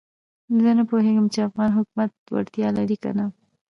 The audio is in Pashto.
زه نه پوهېږم چې افغان حکومت وړتیا لري کنه.